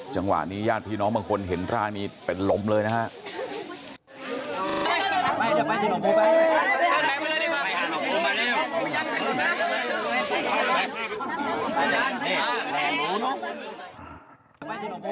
จังหวะนี้ญาติพี่น้องบางคนเห็นร่างนี้เป็นลมเลยนะครับ